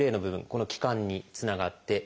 この気管につながっています。